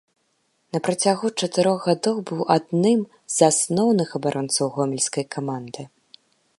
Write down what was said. На працягу чатырох гадоў быў адным з асноўных абаронцаў гомельскай каманды.